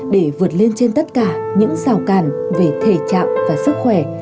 để vượt lên trên tất cả những rào cản về thể trạng và sức khỏe